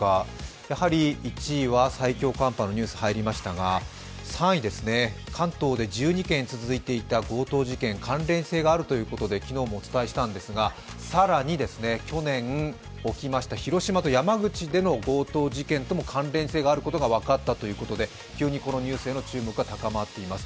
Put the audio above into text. やはり１位は最強寒波のニュースが入りましたが３位、関東で１２件続いていた強盗事件、関連性があるということで昨日もお伝えしたんですが更に去年起きました広島と山口の強盗事件とも関連性があることが分かったということで、急にこのニュースへの注目が高まっています。